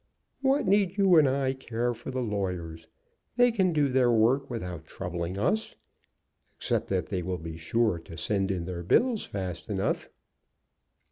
What need you and I care for the lawyers? They can do their work without troubling us, except that they will be sure to send in their bills fast enough."